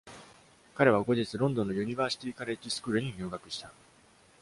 彼は後日、ロンドンの、ユニヴァーシティ・カレッジ・スクールに入学した。